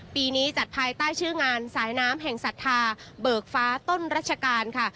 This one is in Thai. ปีนี้จัดภายใต้ชื่องานสายน้ำแห่งศรัทธาเบิกฟ้าต้นรัชกาลค่ะ